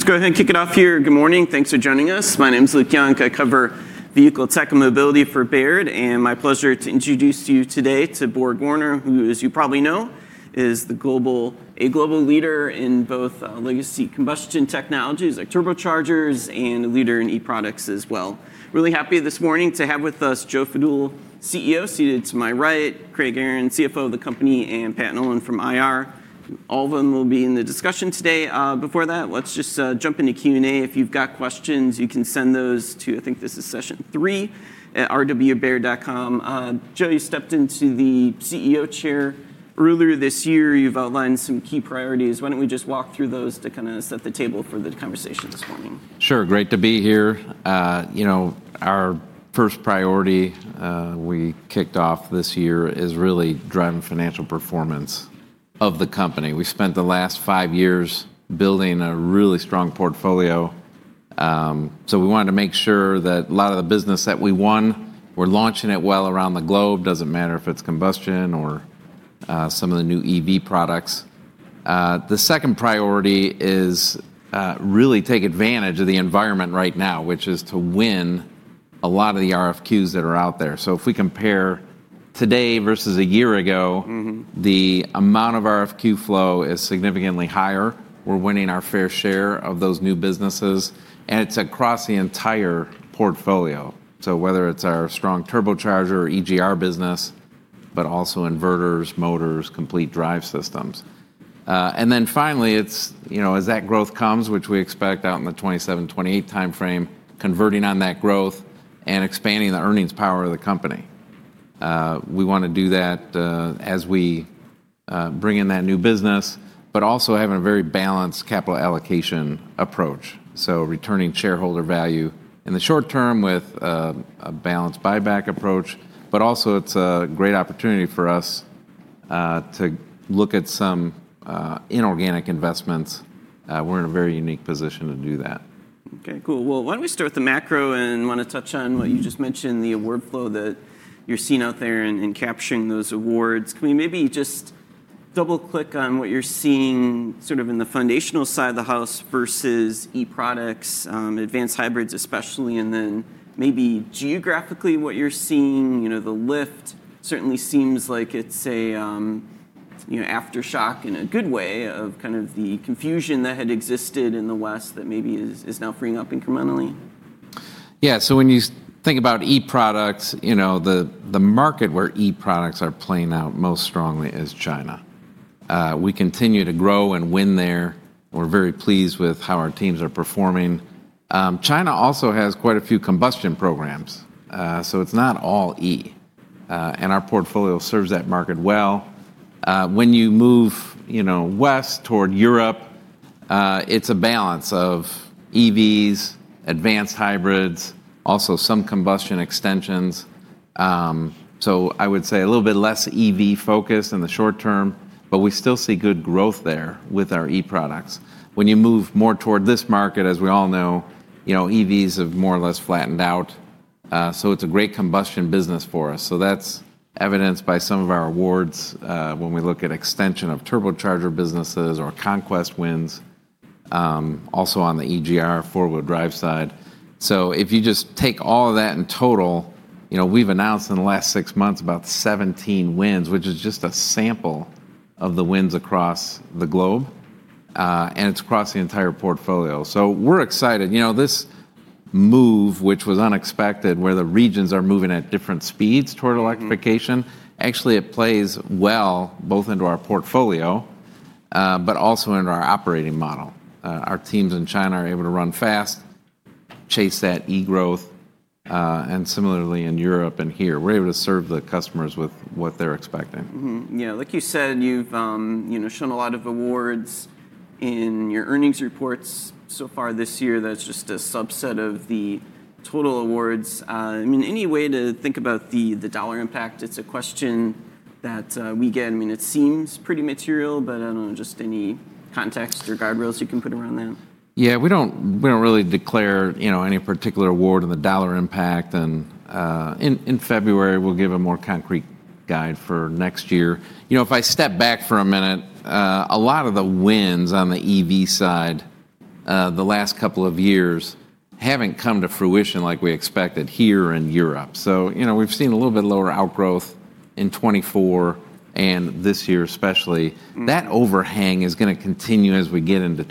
Let's go ahead and kick it off here. Good morning. Thanks for joining us. My name is Luke Junk. I cover vehicle tech and mobility for Baird, and my pleasure to introduce you today to BorgWarner, who, as you probably know, is a global leader in both legacy combustion technologies like turbochargers and a leader in e-products as well. Really happy this morning to have with us Joe Fadool, CEO, seated to my right, Craig Aaron, CFO of the company, and Pat Nolan from IR. All of them will be in the discussion today. Before that, let's just jump into Q&A. If you've got questions, you can send those to, I think this is session three, at rwbaird.com. Joe, you stepped into the CEO chair earlier this year. You've outlined some key priorities. Why don't we just walk through those to kind of set the table for the conversation this morning? Sure. Great to be here. Our first priority we kicked off this year is really driving financial performance of the company. We spent the last five years building a really strong portfolio, so we wanted to make sure that a lot of the business that we won, we're launching it well around the globe. Doesn't matter if it's combustion or some of the new EV products. The second priority is really to take advantage of the environment right now, which is to win a lot of the RFQs that are out there. If we compare today versus a year ago, the amount of RFQ flow is significantly higher. We're winning our fair share of those new businesses, and it's across the entire portfolio. Whether it's our strong turbocharger or EGR business, but also inverters, motors, complete drive systems. Finally, as that growth comes, which we expect out in the 2027, 2028 time frame, converting on that growth and expanding the earnings power of the company. We want to do that as we bring in that new business, but also having a very balanced capital allocation approach. Returning shareholder value in the short term with a balanced buyback approach, but also it's a great opportunity for us to look at some inorganic investments. We are in a very unique position to do that. Okay, cool. Why don't we start with the macro and want to touch on what you just mentioned, the award flow that you're seeing out there and capturing those awards. Can we maybe just double-click on what you're seeing sort of in the foundational side of the house versus e-products, advanced hybrids especially, and then maybe geographically what you're seeing? The lift certainly seems like it's an aftershock in a good way of kind of the confusion that had existed in the West that maybe is now freeing up incrementally. Yeah. So when you think about e-products, the market where e-products are playing out most strongly is China. We continue to grow and win there. We're very pleased with how our teams are performing. China also has quite a few combustion programs, so it's not all E, and our portfolio serves that market well. When you move west toward Europe, it's a balance of EVs, advanced hybrids, also some combustion extensions. I would say a little bit less EV-focused in the short term, but we still see good growth there with our e-products. When you move more toward this market, as we all know, EVs have more or less flattened out, so it's a great combustion business for us. That is evidenced by some of our awards when we look at extension of turbocharger businesses or conquest wins also on the EGR, four-wheel drive side. If you just take all of that in total, we've announced in the last six months about 17 wins, which is just a sample of the wins across the globe, and it's across the entire portfolio. We're excited. This move, which was unexpected, where the regions are moving at different speeds toward electrification, actually it plays well both into our portfolio but also into our operating model. Our teams in China are able to run fast, chase that e-growth, and similarly in Europe and here, we're able to serve the customers with what they're expecting. Yeah. Like you said, you've shown a lot of awards in your earnings reports so far this year. That's just a subset of the total awards. In any way to think about the dollar impact, it's a question that we get. I mean, it seems pretty material, but I don't know, just any context or guardrails you can put around that? Yeah. We do not really declare any particular award on the dollar impact. In February, we will give a more concrete guide for next year. If I step back for a minute, a lot of the wins on the EV side the last couple of years have not come to fruition like we expected here in Europe. We have seen a little bit lower outgrowth in 2024 and this year especially. That overhang is going to continue as we get into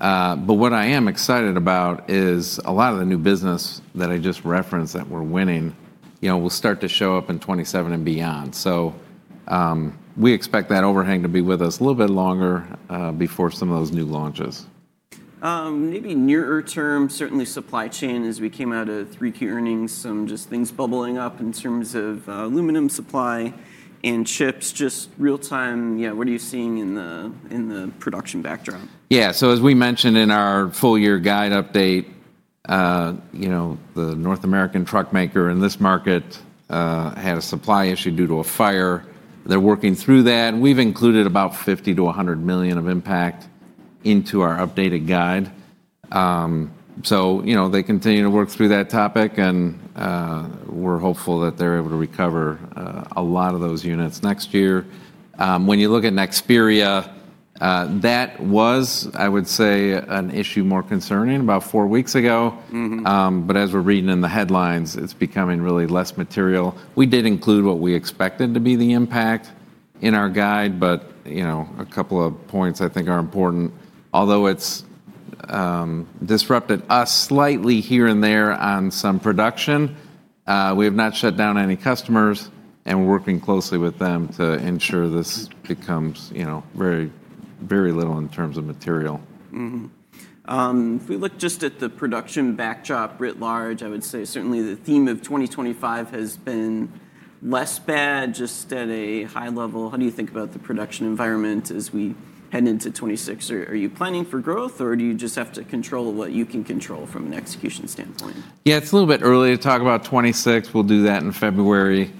2026. What I am excited about is a lot of the new business that I just referenced that we are winning will start to show up in 2027 and beyond. We expect that overhang to be with us a little bit longer before some of those new launches. Maybe nearer term, certainly supply chain as we came out of three-key earnings, some just things bubbling up in terms of aluminum supply and chips. Just real-time, yeah, what are you seeing in the production backdrop? Yeah. As we mentioned in our full-year guide update, the North American truck maker in this market had a supply issue due to a fire. They're working through that. We've included about $50 million-$100 million of impact into our updated guide. They continue to work through that topic, and we're hopeful that they're able to recover a lot of those units next year. When you look at Nexperia, that was, I would say, an issue more concerning about four weeks ago. As we're reading in the headlines, it's becoming really less material. We did include what we expected to be the impact in our guide, but a couple of points I think are important. Although it's disrupted us slightly here and there on some production, we have not shut down any customers, and we're working closely with them to ensure this becomes very little in terms of material. If we look just at the production backdrop writ large, I would say certainly the theme of 2025 has been less bad, just at a high level. How do you think about the production environment as we head into 2026? Are you planning for growth, or do you just have to control what you can control from an execution standpoint? Yeah, it's a little bit early to talk about 2026. We'll do that in February.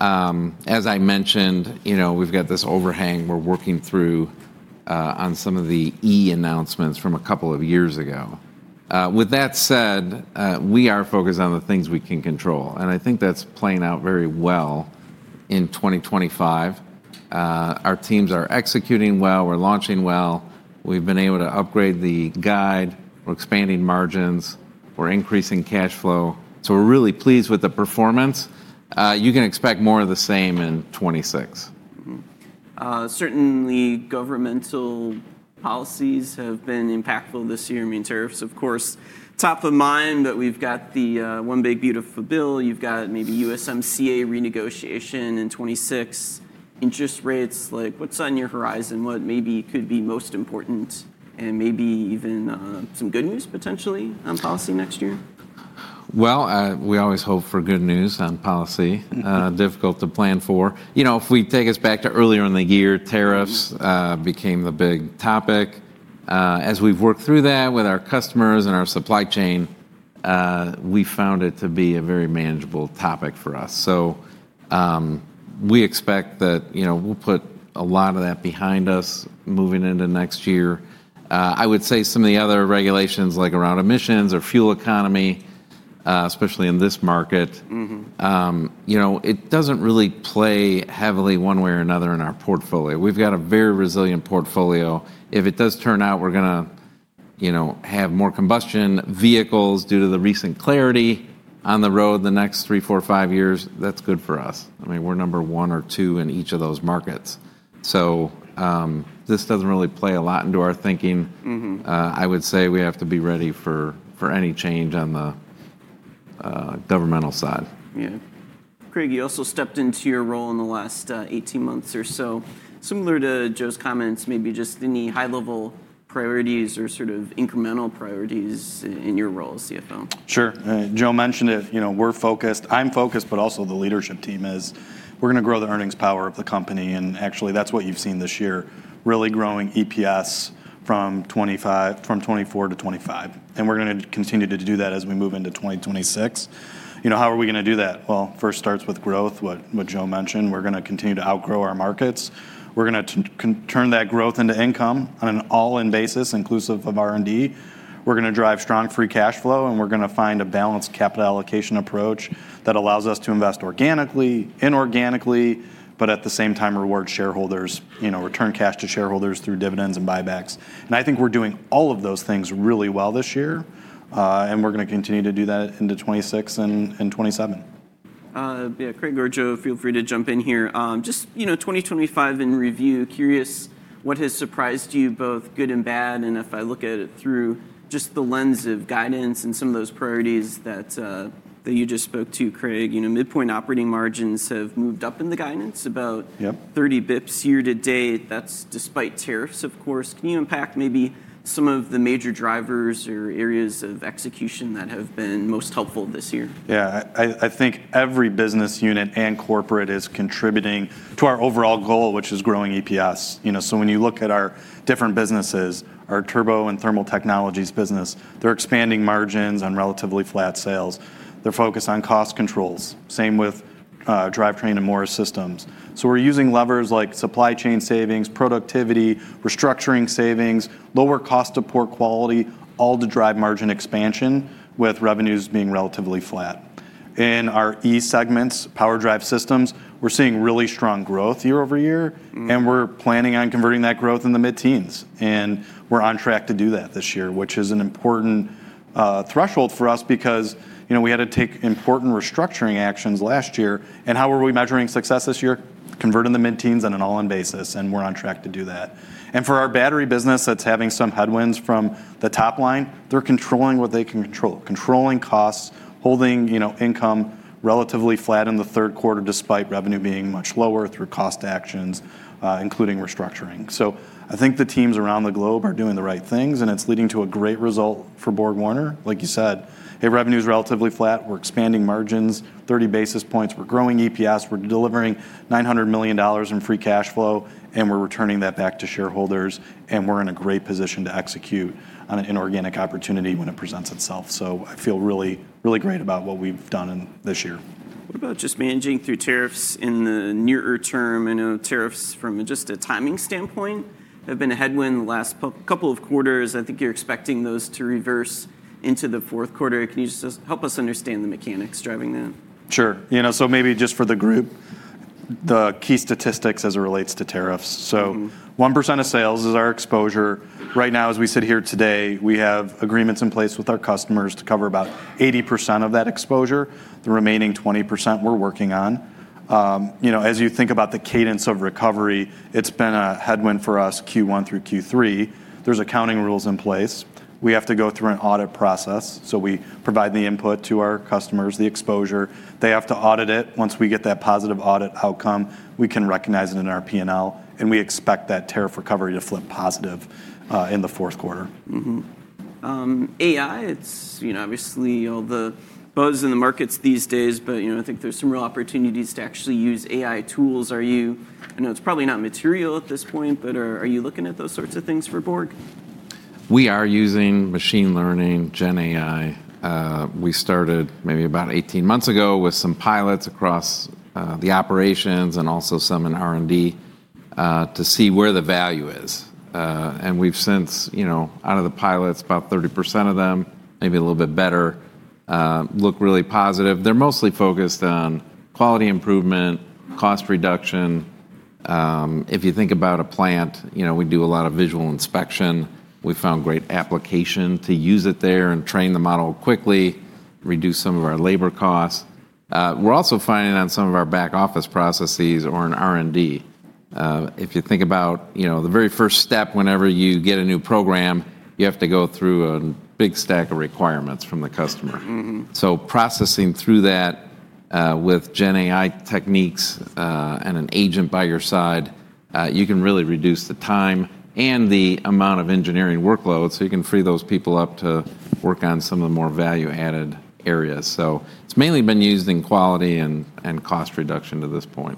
As I mentioned, we've got this overhang. We're working through some of the E announcements from a couple of years ago. With that said, we are focused on the things we can control, and I think that's playing out very well in 2025. Our teams are executing well. We're launching well. We've been able to upgrade the guide. We're expanding margins. We're increasing cash flow. We are really pleased with the performance. You can expect more of the same in 2026. Certainly, governmental policies have been impactful this year. I mean, tariffs, of course, top of mind, but we've got the one big beautiful bill. You've got maybe USMCA renegotiation in 2026. Interest rates, like what's on your horizon? What maybe could be most important and maybe even some good news potentially on policy next year? We always hope for good news on policy. Difficult to plan for. If we take us back to earlier in the year, tariffs became the big topic. As we've worked through that with our customers and our supply chain, we found it to be a very manageable topic for us. We expect that we'll put a lot of that behind us moving into next year. I would say some of the other regulations, like around emissions or fuel economy, especially in this market, it doesn't really play heavily one way or another in our portfolio. We've got a very resilient portfolio. If it does turn out we're going to have more combustion vehicles due to the recent clarity on the road the next three, four, five years, that's good for us. I mean, we're number one or two in each of those markets. This doesn't really play a lot into our thinking. I would say we have to be ready for any change on the governmental side. Yeah. Craig, you also stepped into your role in the last 18 months or so. Similar to Joe's comments, maybe just any high-level priorities or sort of incremental priorities in your role as CFO? Sure. Joe mentioned it. I'm focused, but also the leadership team is. We're going to grow the earnings power of the company, and actually that's what you've seen this year, really growing EPS from 2024 to 2025. We're going to continue to do that as we move into 2026. How are we going to do that? First, it starts with growth, what Joe mentioned. We're going to continue to outgrow our markets. We're going to turn that growth into income on an all-in basis, inclusive of R&D. We're going to drive strong free cash flow, and we're going to find a balanced capital allocation approach that allows us to invest organically, inorganically, but at the same time reward shareholders, return cash to shareholders through dividends and buybacks. I think we're doing all of those things really well this year, and we're going to continue to do that into 2026 and 2027. Yeah. Craig or Joe, feel free to jump in here. Just 2025 in review, curious what has surprised you, both good and bad. If I look at it through just the lens of guidance and some of those priorities that you just spoke to, Craig, midpoint operating margins have moved up in the guidance about 30 basis points year to date. That is despite tariffs, of course. Can you unpack maybe some of the major drivers or areas of execution that have been most helpful this year? Yeah. I think every business unit and corporate is contributing to our overall goal, which is growing EPS. When you look at our different businesses, our turbo and thermal technologies business, they are expanding margins on relatively flat sales. They are focused on cost controls, same with drivetrain and motor systems. We are using levers like supply chain savings, productivity, restructuring savings, lower cost of poor quality, all to drive margin expansion with revenues being relatively flat. In our E segments, power drive systems, we are seeing really strong growth year over year, and we are planning on converting that growth in the mid-teens. We are on track to do that this year, which is an important threshold for us because we had to take important restructuring actions last year. How are we measuring success this year? Converting the mid-teens on an all-in basis, and we are on track to do that. For our battery business that is having some headwinds from the top line, they are controlling what they can control, controlling costs, holding income relatively flat in the third quarter despite revenue being much lower through cost actions, including restructuring. I think the teams around the globe are doing the right things, and it is leading to a great result for BorgWarner. Like you said, hey, revenue is relatively flat. We are expanding margins 30 basis points. We are growing EPS. We are delivering $900 million in free cash flow, and we are returning that back to shareholders, and we are in a great position to execute on an inorganic opportunity when it presents itself. I feel really, really great about what we have done this year. What about just managing through tariffs in the nearer term? I know tariffs from just a timing standpoint have been a headwind the last couple of quarters. I think you're expecting those to reverse into the fourth quarter. Can you just help us understand the mechanics driving that? Sure. So maybe just for the group, the key statistics as it relates to tariffs. So 1% of sales is our exposure. Right now, as we sit here today, we have agreements in place with our customers to cover about 80% of that exposure. The remaining 20% we're working on. As you think about the cadence of recovery, it's been a headwind for us Q1 through Q3. There's accounting rules in place. We have to go through an audit process. So we provide the input to our customers, the exposure. They have to audit it. Once we get that positive audit outcome, we can recognize it in our P&L, and we expect that tariff recovery to flip positive in the fourth quarter. AI, it's obviously all the buzz in the markets these days, but I think there's some real opportunities to actually use AI tools. I know it's probably not material at this point, but are you looking at those sorts of things for BorgWarner? We are using machine learning, GenAI. We started maybe about 18 months ago with some pilots across the operations and also some in R&D to see where the value is. We have since out of the pilots, about 30% of them, maybe a little bit better, look really positive. They're mostly focused on quality improvement, cost reduction. If you think about a plant, we do a lot of visual inspection. We found great application to use it there and train the model quickly, reduce some of our labor costs. We're also finding on some of our back-office processes or in R&D. If you think about the very first step, whenever you get a new program, you have to go through a big stack of requirements from the customer. Processing through that with GenAI techniques and an agent by your side, you can really reduce the time and the amount of engineering workload. You can free those people up to work on some of the more value-added areas. It has mainly been used in quality and cost reduction to this point.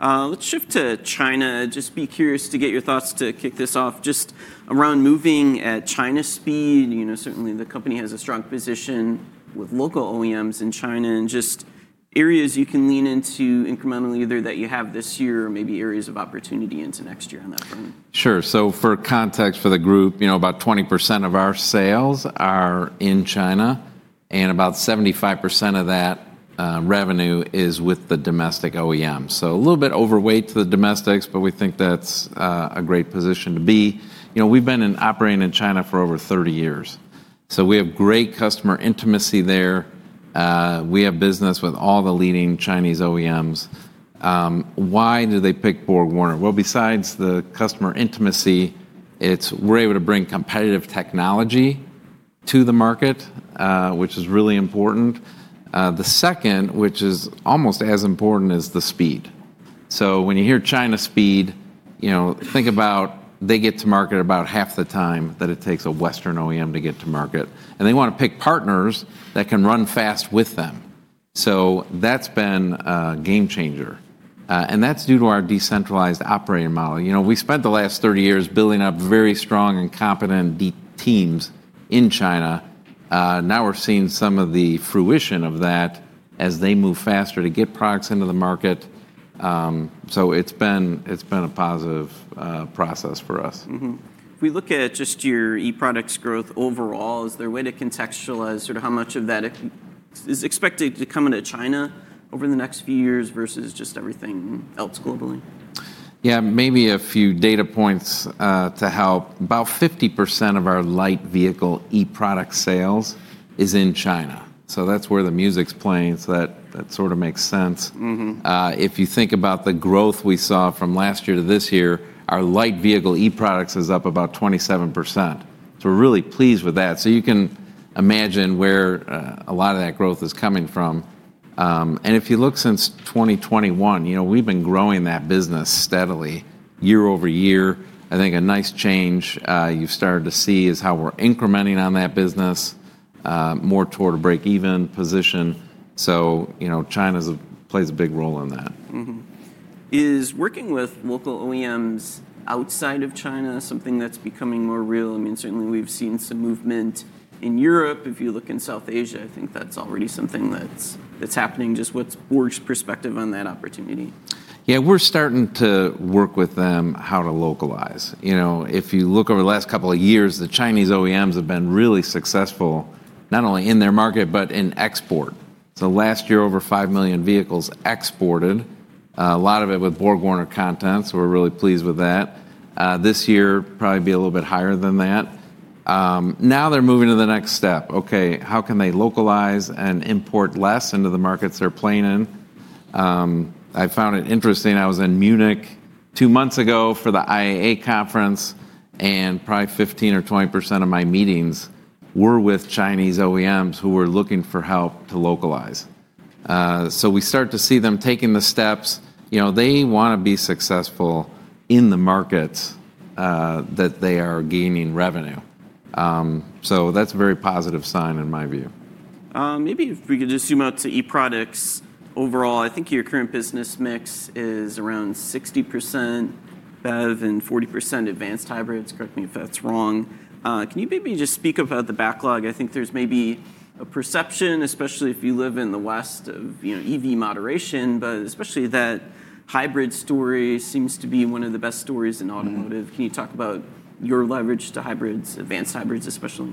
Let's shift to China. Just be curious to get your thoughts to kick this off. Just around moving at China speed, certainly the company has a strong position with local OEMs in China and just areas you can lean into incrementally either that you have this year or maybe areas of opportunity into next year on that front. Sure. For context for the group, about 20% of our sales are in China, and about 75% of that revenue is with the domestic OEM. A little bit overweight to the domestics, but we think that's a great position to be. We've been operating in China for over 30 years. We have great customer intimacy there. We have business with all the leading Chinese OEMs. Why do they pick BorgWarner? Besides the customer intimacy, we're able to bring competitive technology to the market, which is really important. The second, which is almost as important, is the speed. When you hear China speed, think about they get to market in about half the time that it takes a Western OEM to get to market. They want to pick partners that can run fast with them. That's been a game changer. That is due to our decentralized operating model. We spent the last 30 years building up very strong and competent teams in China. Now we are seeing some of the fruition of that as they move faster to get products into the market. It has been a positive process for us. If we look at just your E products growth overall, is there a way to contextualize sort of how much of that is expected to come into China over the next few years versus just everything else globally? Yeah, maybe a few data points to help. About 50% of our light vehicle E product sales is in China. That is where the music's playing. That sort of makes sense. If you think about the growth we saw from last year to this year, our light vehicle E products is up about 27%. We are really pleased with that. You can imagine where a lot of that growth is coming from. If you look since 2021, we have been growing that business steadily year over year. I think a nice change you have started to see is how we are incrementing on that business more toward a break-even position. China plays a big role in that. Is working with local OEMs outside of China something that's becoming more real? I mean, certainly we've seen some movement in Europe. If you look in South Asia, I think that's already something that's happening. Just what's BorgWarner's perspective on that opportunity? Yeah, we're starting to work with them how to localize. If you look over the last couple of years, the Chinese OEMs have been really successful not only in their market, but in export. Last year, over 5 million vehicles exported, a lot of it with BorgWarner contents. We're really pleased with that. This year, probably be a little bit higher than that. Now they're moving to the next step. Okay, how can they localize and import less into the markets they're playing in? I found it interesting. I was in Munich two months ago for the IAA conference, and probably 15% or 20% of my meetings were with Chinese OEMs who were looking for help to localize. We start to see them taking the steps. They want to be successful in the markets that they are gaining revenue. That's a very positive sign in my view. Maybe if we could just zoom out to E products overall, I think your current business mix is around 60% BEV and 40% advanced hybrids. Correct me if that's wrong. Can you maybe just speak about the backlog? I think there's maybe a perception, especially if you live in the West, of EV moderation, but especially that hybrid story seems to be one of the best stories in automotive. Can you talk about your leverage to hybrids, advanced hybrids especially?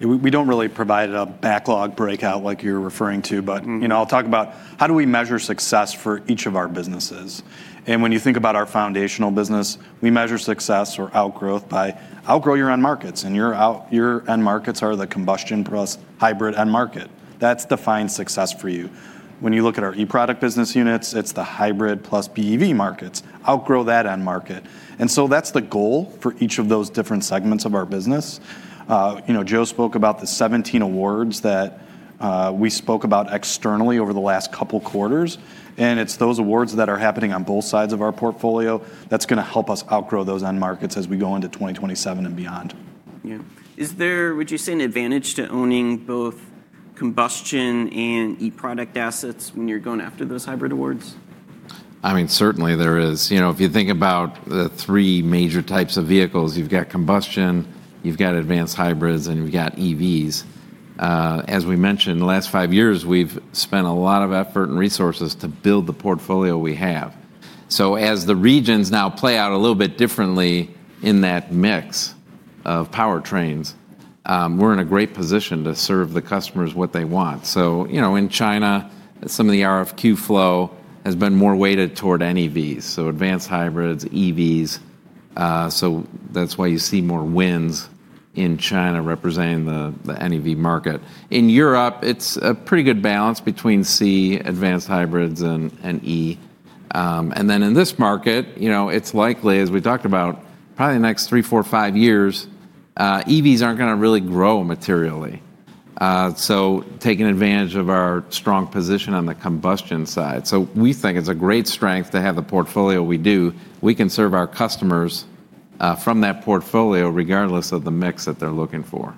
We do not really provide a backlog breakout like you are referring to, but I will talk about how do we measure success for each of our businesses. When you think about our foundational business, we measure success or outgrowth by outgrow your end markets. Your end markets are the combustion plus hybrid end market. That defines success for you. When you look at our E product business units, it is the hybrid plus BEV markets. Outgrow that end market. That is the goal for each of those different segments of our business. Joe spoke about the 17 awards that we spoke about externally over the last couple of quarters. It is those awards that are happening on both sides of our portfolio that are going to help us outgrow those end markets as we go into 2027 and beyond. Yeah. Is there, would you say, an advantage to owning both combustion and E product assets when you're going after those hybrid awards? I mean, certainly there is. If you think about the three major types of vehicles, you've got combustion, you've got advanced hybrids, and you've got EVs. As we mentioned, in the last five years, we've spent a lot of effort and resources to build the portfolio we have. As the regions now play out a little bit differently in that mix of powertrains, we're in a great position to serve the customers what they want. In China, some of the RFQ flow has been more weighted toward NEVs, so advanced hybrids, EVs. That's why you see more wins in China representing the NEV market. In Europe, it's a pretty good balance between combustion, advanced hybrids, and EVs. In this market, it's likely, as we talked about, probably the next three, four, five years, EVs aren't going to really grow materially. Taking advantage of our strong position on the combustion side. We think it's a great strength to have the portfolio we do. We can serve our customers from that portfolio regardless of the mix that they're looking for.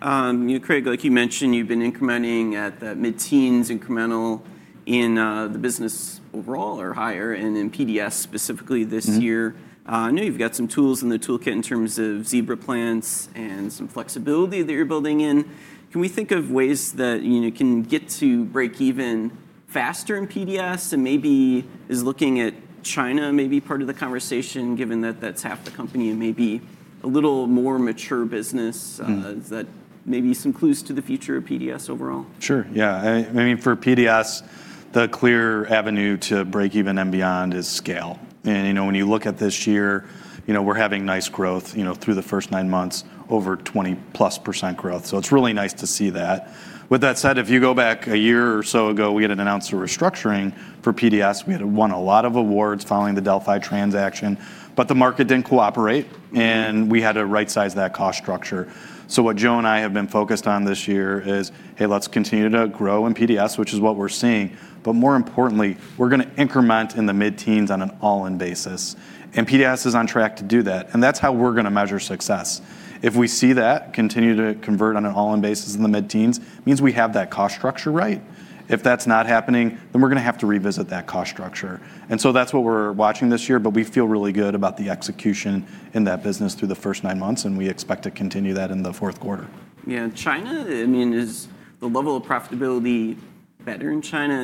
Craig, like you mentioned, you've been incrementing at the mid-teens incremental in the business overall or higher and in PDS specifically this year. I know you've got some tools in the toolkit in terms of Zebra Plants and some flexibility that you're building in. Can we think of ways that you can get to break even faster in PDS? And maybe is looking at China maybe part of the conversation, given that that's half the company and maybe a little more mature business, that maybe some clues to the future of PDS overall? Sure. Yeah. I mean, for PDS, the clear avenue to break even and beyond is scale. When you look at this year, we're having nice growth through the first nine months, over 20% growth. It's really nice to see that. With that said, if you go back a year or so ago, we had an announced restructuring for PDS. We had won a lot of awards following the Delphi transaction, but the market did not cooperate, and we had to right-size that cost structure. What Joe and I have been focused on this year is, hey, let's continue to grow in PDS, which is what we're seeing. More importantly, we're going to increment in the mid-teens on an all-in basis. PDS is on track to do that. That's how we're going to measure success. If we see that continue to convert on an all-in basis in the mid-teens, it means we have that cost structure right. If that's not happening, then we're going to have to revisit that cost structure. That is what we're watching this year, but we feel really good about the execution in that business through the first nine months, and we expect to continue that in the fourth quarter. Yeah. China, I mean, is the level of profitability better in China?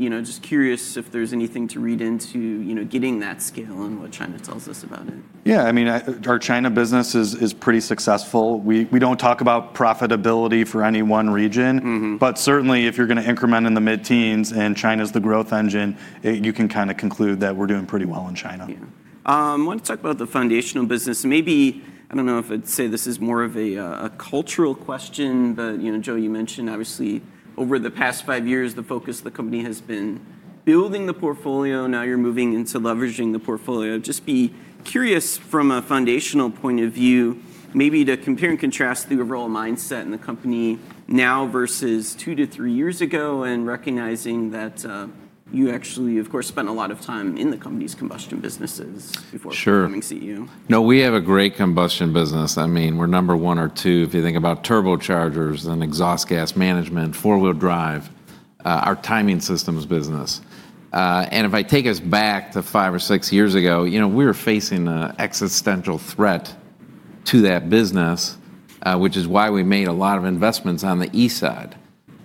I am just curious if there is anything to read into getting that scale and what China tells us about it. Yeah. I mean, our China business is pretty successful. We do not talk about profitability for any one region, but certainly if you are going to increment in the mid-teens and China's the growth engine, you can kind of conclude that we are doing pretty well in China. Yeah. I want to talk about the foundational business. Maybe, I do not know if I would say this is more of a cultural question, but Joe, you mentioned obviously over the past five years, the focus of the company has been building the portfolio. Now you are moving into leveraging the portfolio. Just be curious from a foundational point of view, maybe to compare and contrast the overall mindset in the company now versus two to three years ago and recognizing that you actually, of course, spent a lot of time in the company's combustion businesses before becoming CEO. Sure. No, we have a great combustion business. I mean, we're number one or two if you think about turbochargers and exhaust gas management, four-wheel drive, our timing systems business. And if I take us back to five or six years ago, we were facing an existential threat to that business, which is why we made a lot of investments on the E side.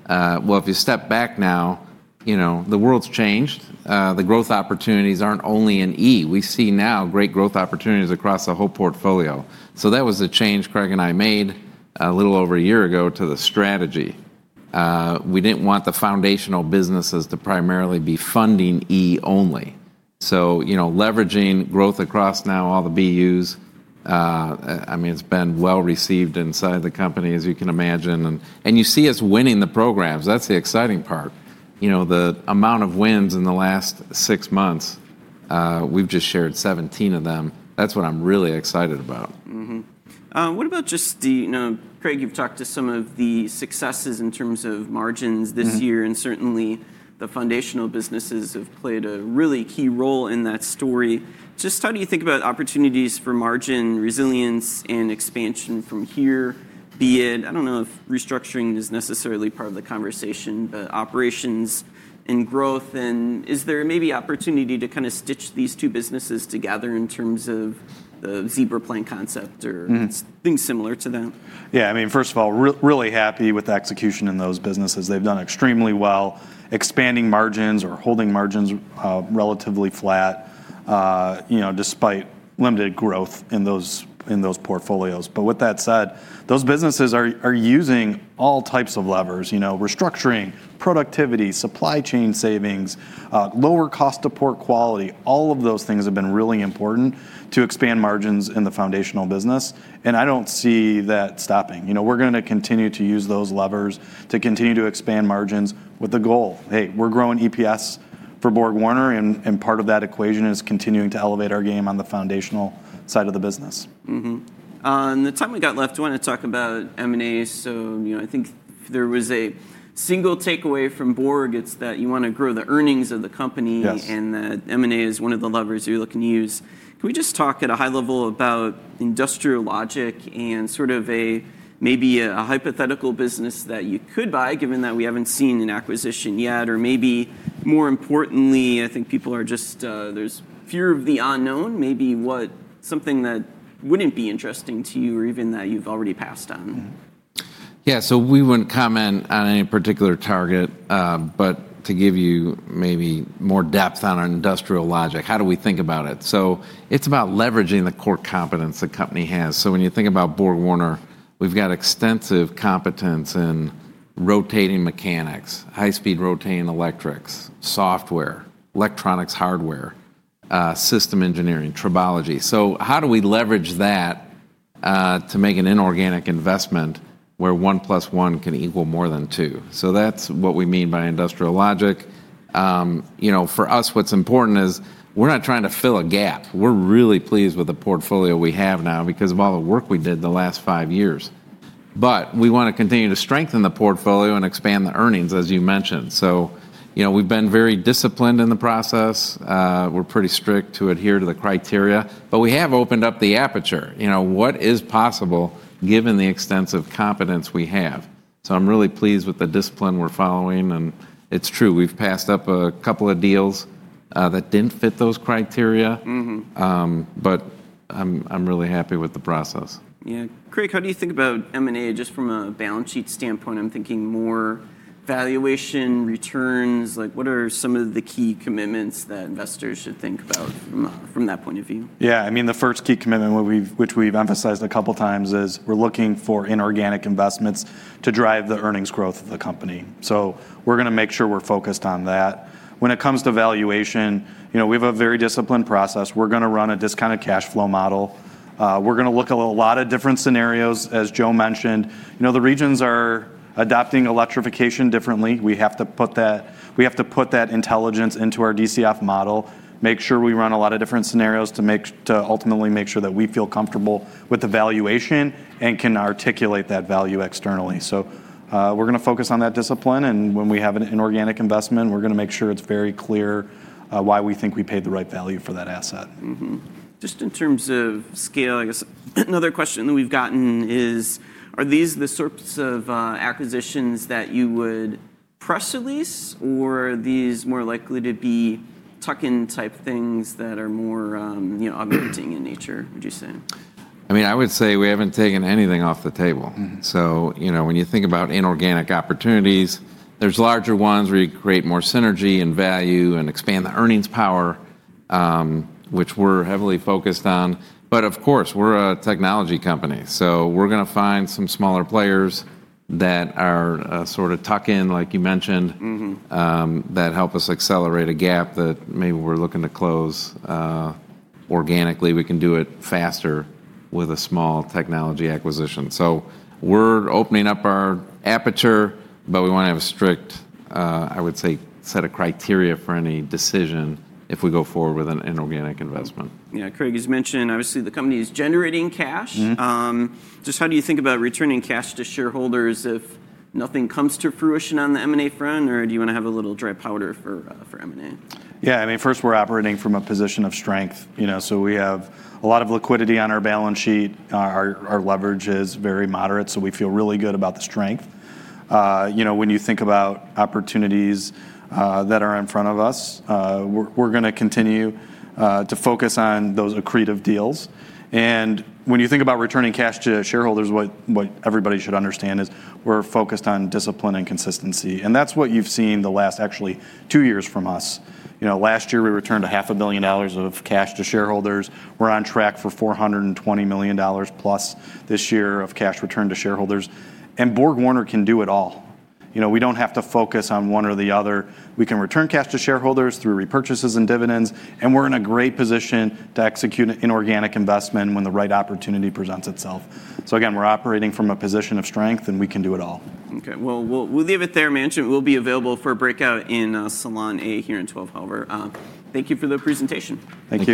If you step back now, the world's changed. The growth opportunities aren't only in E. We see now great growth opportunities across the whole portfolio. That was a change Craig and I made a little over a year ago to the strategy. We didn't want the foundational businesses to primarily be funding E only. Leveraging growth across now all the BUs, I mean, it's been well received inside the company, as you can imagine. You see us winning the programs. That's the exciting part. The amount of wins in the last six months, we've just shared 17 of them. That's what I'm really excited about. What about just the — Craig, you've talked to some of the successes in terms of margins this year, and certainly the foundational businesses have played a really key role in that story. Just how do you think about opportunities for margin resilience and expansion from here, be it, I don't know if restructuring is necessarily part of the conversation, but operations and growth? Is there maybe opportunity to kind of stitch these two businesses together in terms of the Zebra Plan concept or things similar to that? Yeah. I mean, first of all, really happy with the execution in those businesses. They've done extremely well expanding margins or holding margins relatively flat despite limited growth in those portfolios. With that said, those businesses are using all types of levers. Restructuring, productivity, supply chain savings, lower cost to port quality, all of those things have been really important to expand margins in the foundational business. I don't see that stopping. We're going to continue to use those levers to continue to expand margins with the goal, hey, we're growing EPS for BorgWarner, and part of that equation is continuing to elevate our game on the foundational side of the business. On the time we got left, I want to talk about M&A. I think if there was a single takeaway from BorgWarner, it's that you want to grow the earnings of the company and that M&A is one of the levers you're looking to use. Can we just talk at a high level about industrial logic and sort of maybe a hypothetical business that you could buy, given that we haven't seen an acquisition yet? Or maybe more importantly, I think people are just, there's fear of the unknown, maybe something that wouldn't be interesting to you or even that you've already passed on. Yeah. We would not comment on any particular target, but to give you maybe more depth on our industrial logic, how do we think about it? It is about leveraging the core competence the company has. When you think about BorgWarner, we have got extensive competence in rotating mechanics, high-speed rotating electrics, software, electronics, hardware, system engineering, tribology. How do we leverage that to make an inorganic investment where 1 + 1 can equal more than two? That is what we mean by industrial logic. For us, what is important is we are not trying to fill a gap. We are really pleased with the portfolio we have now because of all the work we did the last five years. We want to continue to strengthen the portfolio and expand the earnings, as you mentioned. We have been very disciplined in the process. We're pretty strict to adhere to the criteria, but we have opened up the aperture. What is possible given the extensive competence we have? I'm really pleased with the discipline we're following. It's true, we've passed up a couple of deals that didn't fit those criteria, but I'm really happy with the process. Yeah. Craig, how do you think about M&A just from a balance sheet standpoint? I'm thinking more valuation, returns. What are some of the key commitments that investors should think about from that point of view? Yeah. I mean, the first key commitment, which we've emphasized a couple of times, is we're looking for inorganic investments to drive the earnings growth of the company. We're going to make sure we're focused on that. When it comes to valuation, we have a very disciplined process. We're going to run a discounted cash flow model. We're going to look at a lot of different scenarios, as Joe mentioned. The regions are adopting electrification differently. We have to put that intelligence into our DCF model, make sure we run a lot of different scenarios to ultimately make sure that we feel comfortable with the valuation and can articulate that value externally. We're going to focus on that discipline. When we have an inorganic investment, we're going to make sure it's very clear why we think we paid the right value for that asset. Just in terms of scale, I guess another question that we've gotten is, are these the sorts of acquisitions that you would press release, or are these more likely to be tuck-in type things that are more augmenting in nature, would you say? I mean, I would say we haven't taken anything off the table. When you think about inorganic opportunities, there's larger ones where you create more synergy and value and expand the earnings power, which we're heavily focused on. Of course, we're a technology company. We're going to find some smaller players that are sort of tuck-in, like you mentioned, that help us accelerate a gap that maybe we're looking to close organically. We can do it faster with a small technology acquisition. We're opening up our aperture, but we want to have a strict, I would say, set of criteria for any decision if we go forward with an inorganic investment. Yeah. Craig, as you mentioned, obviously the company is generating cash. Just how do you think about returning cash to shareholders if nothing comes to fruition on the M&A front, or do you want to have a little dry powder for M&A? Yeah. I mean, first, we're operating from a position of strength. We have a lot of liquidity on our balance sheet. Our leverage is very moderate, so we feel really good about the strength. When you think about opportunities that are in front of us, we're going to continue to focus on those accretive deals. When you think about returning cash to shareholders, what everybody should understand is we're focused on discipline and consistency. That is what you've seen the last actually two years from us. Last year, we returned $500 million of cash to shareholders. We're on track for $420 million plus this year of cash return to shareholders. BorgWarner can do it all. We do not have to focus on one or the other. We can return cash to shareholders through repurchases and dividends, and we're in a great position to execute an inorganic investment when the right opportunity presents itself. Again, we're operating from a position of strength, and we can do it all. Okay. We'll leave it there. I mentioned we'll be available for breakout in Salon A here in 12th floor. Thank you for the presentation. Thank you.